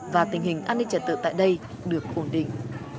và tình hình an ninh trật tự tại đây được ổn định